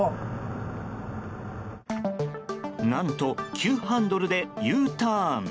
何と、急ハンドルでＵターン。